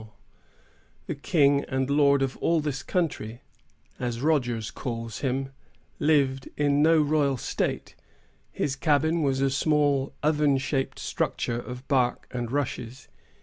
"The king and lord of all this country," as Rogers calls him, lived in no royal state. His cabin was a small, oven shaped structure of bark and rushes.